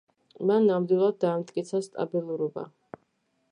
მან ნამდვილად დაამტკიცა სტაბილურობა.